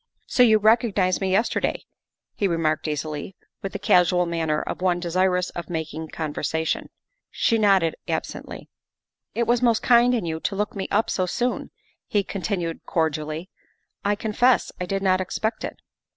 " So you recognized me yesterday?" he remarked easily, with the casual manner of one desirous of making conversation. She nodded absently. " It was most kind in you to look me up so soon," he continued cordially; " I confess, I did not expect it."